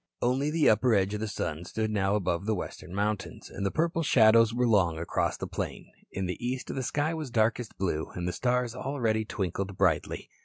Only the upper edge of the sun stood now above the western mountains, and the purple shadows were long across the plain. In the east the sky was darkest blue and the stars already twinkled brightly.